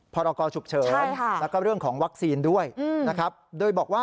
พรกรฉุกเฉินแล้วก็เรื่องของวัคซีนด้วยนะครับโดยบอกว่า